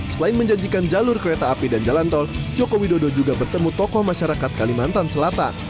selain menjanjikan jalur kereta api dan jalan tol joko widodo juga bertemu tokoh masyarakat kalimantan selatan